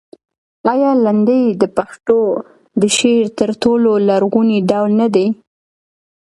آیا لنډۍ د پښتو د شعر تر ټولو لرغونی ډول نه دی؟